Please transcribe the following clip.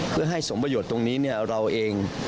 เพื่อให้สมประโยชน์ตรงนี้เราเอง